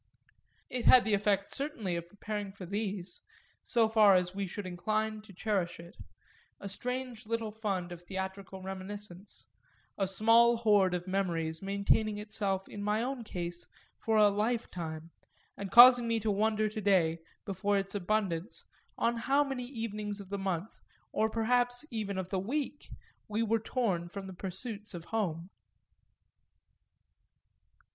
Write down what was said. It had the effect certainly of preparing for these, so far as we should incline to cherish it, a strange little fund of theatrical reminiscence, a small hoard of memories maintaining itself in my own case for a lifetime and causing me to wonder to day, before its abundance, on how many evenings of the month, or perhaps even of the week, we were torn from the pursuits of home.